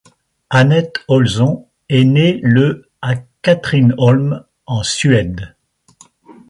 Anette Olzon est née le à Katrineholm, en Suède.